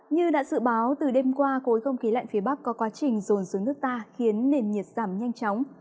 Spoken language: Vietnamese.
như đã dự báo từ đêm qua khối không khí lạnh phía bắc có quá trình rồn xuống nước ta khiến nền nhiệt giảm nhanh chóng